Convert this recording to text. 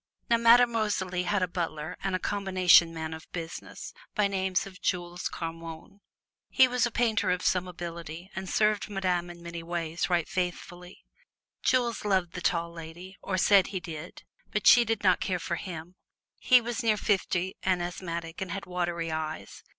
Now, Madame Rosalie had a butler and combination man of business, by name of Jules Carmonne. He was a painter of some ability and served Madame in many ways right faithfully. Jules loved the Tall Lady, or said he did, but she did not care for him. He was near fifty and asthmatic and had watery eyes.